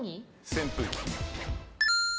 扇風機。